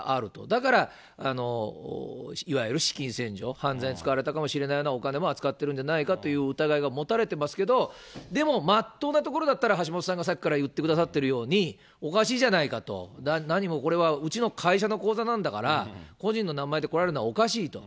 だからいわゆる資金洗浄、犯罪に使われたかもしれないようなお金も扱ってるんじゃないかという疑いが持たれてますけれども、でも、まっとうなところだった橋下さんがさっきから言ってくださっているように、おかしいじゃないかと、何もこれはうちの会社の口座なんだから、個人の名前で来られるのはおかしいと。